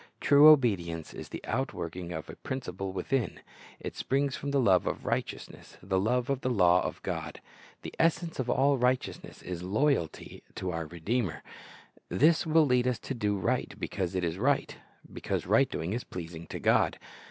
True obedience is the outworking of a principle within. It springs from the love of righteousness, the love of the law of God. The essence of all righteousness is loyalty to 98 Christ's Object Lessons our Redeemer. This will lead us to do right because it is right, — because right doing is pleasing to God.